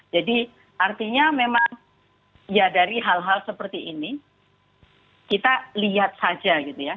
jadi artinya memang ya dari hal hal seperti ini kita lihat saja gitu ya